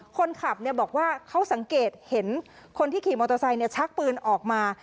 คนขับบอกว่าเขาสังเกตเห็นคนที่ขี่มอเตอร์ไซค์ชักปืนออกมา